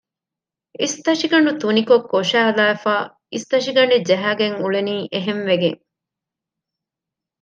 އިސްތަށިގަނޑު ތުނިކޮށް ކޮށައިލައިފައި އިސްތަށިގަނޑެއް ޖަހައިގެން އުޅެނީ އެހެންވެގެން